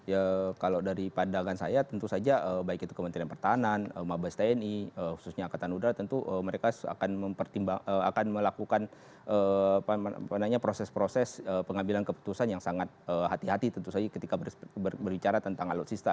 ya kalau dari pandangan saya tentu saja baik itu kementerian pertahanan mabes tni khususnya angkatan udara tentu mereka akan melakukan proses proses pengambilan keputusan yang sangat hati hati tentu saja ketika berbicara tentang alutsista